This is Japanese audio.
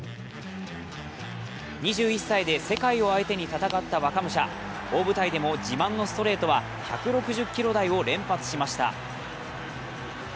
２１歳で世界を相手に戦った若武者、大舞台でも自慢のストレートは１６０キロ台を連発しました。